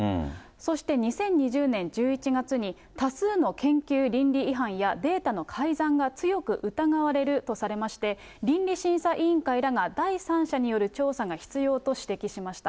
そして２０２０年１１月に、多数の研究倫理違反やデータの改ざんが強く疑われるとされまして、倫理審査委員会らが第三者による調査が必要と指摘しました。